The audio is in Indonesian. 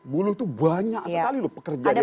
buruh tuh banyak sekali loh pekerja di indonesia